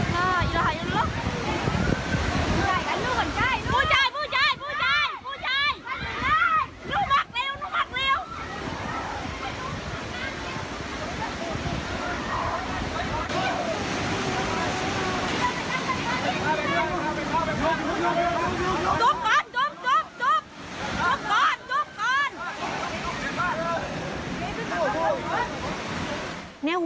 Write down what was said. เร็วเร็วเร็ว